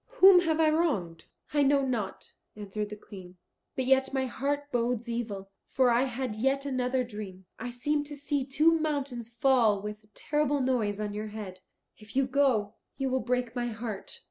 Whom have I wronged?" "I know not," answered the Queen, "but yet my heart bodes evil. For I had yet another dream. I seemed to see two mountains fall with a terrible noise on your head. If you go, you will break my heart."